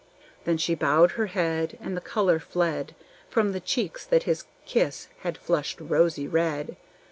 Then she bowed her head And the color fled From the cheeks that his kiss had flushed rosy red.